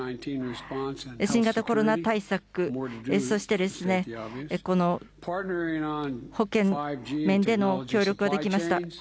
新型コロナ対策、そして、このほけん面での協力ができました。